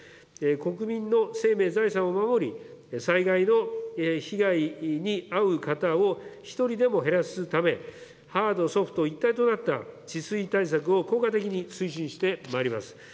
国民の生命、財産を守り、災害の被害に遭う方を１人でも減らすため、ハード、ソフト一体となった治水対策を効果的に推進してまいります。